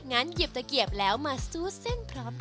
งั้นหยิบตะเกียบแล้วมาซู้เส้นพร้อมกันค่ะ